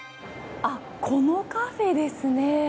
このカフェですね。